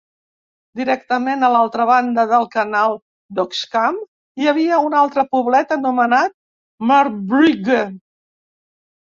Directament a l'altra banda del canal de Oostkamp hi havia un altre poblet anomenat Moerbrugge.